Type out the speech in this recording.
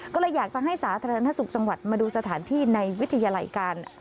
ก็เลยอยากจะให้สาธารณสุขจังหวัดมาดูสถานที่ในวิทยาลัยการ